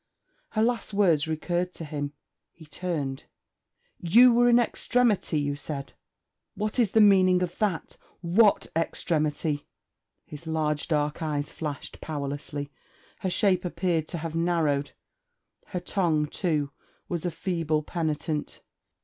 Her last words recurred to him. He turned: 'You were in extremity, you said. What is the meaning of that? What extremity?' Her large dark eyes flashed powerlessly; her shape appeared to have narrowed; her tongue, too, was a feeble penitent.